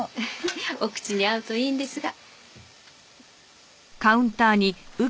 お口に合うといいんですが。